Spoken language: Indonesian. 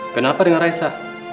kenapa dengan raisa